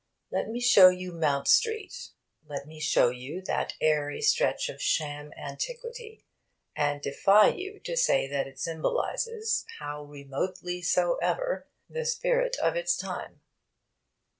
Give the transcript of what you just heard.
Let me show you Mount Street. Let me show you that airy stretch of sham antiquity, and defy you to say that it symbolises, how remotely soever, the spirit of its time.